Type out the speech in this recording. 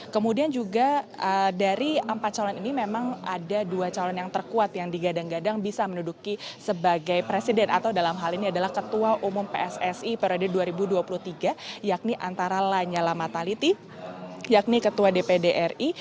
kemudian juga dari empat calon ini memang ada dua calon yang terkuat yang digadang gadang bisa menduduki sebagai presiden atau dalam hal ini adalah ketua umum pssi periode dua ribu dua puluh tiga yakni antara lanyala mataliti yakni ketua dpd ri